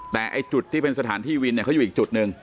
แต่จุดที่เป็นสถานที่วินอยู่อีกจุดนึง